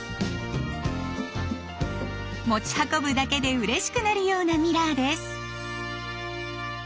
持ち運ぶだけでうれしくなるようなミラーです。